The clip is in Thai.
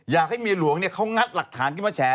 อยากให้เมียหลวงเขางัดหลักฐานขึ้นมาแฉ